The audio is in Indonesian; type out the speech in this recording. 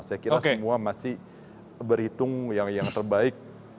saya kira semua masih berhitung yang terbaik